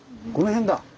この辺だ。